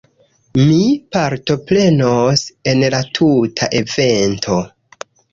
Mi partoprenos en la tuta evento